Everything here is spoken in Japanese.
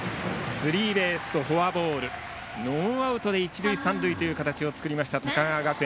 スリーベースとフォアボールノーアウトで一塁三塁を作りました高川学園。